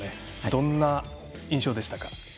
どんな印象でしたか。